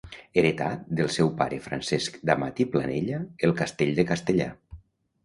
Heretar del seu pare Francesc d'Amat i Planella el Castell de Castellar.